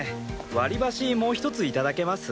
割り箸もう一つ頂けます？